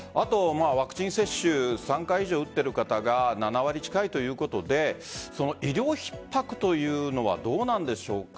ワクチン接種３回以上打っている方が７割近いということで医療ひっ迫というのはどうなんでしょうか？